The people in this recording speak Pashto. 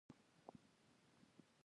پۀ سړک چې لږ مخکښې لاړو نو